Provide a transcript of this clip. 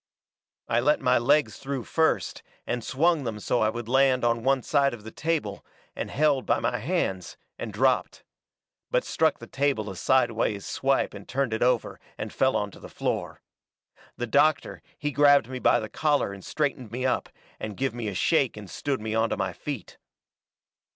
I let my legs through first, and swung them so I would land to one side of the table, and held by my hands, and dropped. But struck the table a sideways swipe and turned it over, and fell onto the floor. The doctor, he grabbed me by the collar and straightened me up, and give me a shake and stood me onto my feet.